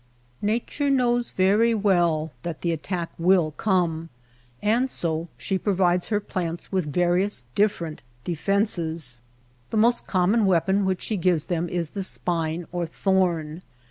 Nature knows very well that the attack will come and so she provides her plants with various different defenses. The most common weapon which she gives them is the spine or thorn.